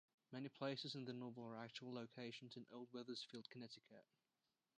Many places in the novel are actual locations in Old Wethersfield, Connecticut.